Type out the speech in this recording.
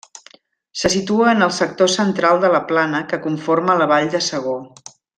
Se situa en el sector central de la plana que conforma la Vall de Segó.